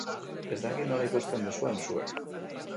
Ez dakit nola ikusten duzuen zuek.